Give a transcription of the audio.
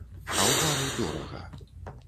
А ў бары дорага.